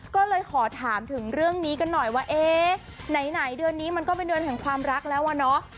ก็เลยขอถามถึงเรื่องนี้กันหน่อยว่าเอ๊ะไหนเดือนนี้มันก็เป็นเดือนแห่งความรักแล้วอะเนาะ